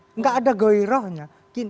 tidak ada geirohnya